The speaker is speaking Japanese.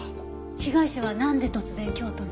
被害者はなんで突然京都に？